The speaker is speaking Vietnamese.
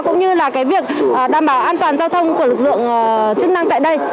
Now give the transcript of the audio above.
cũng như là cái việc đảm bảo an toàn giao thông của lực lượng chức năng tại đây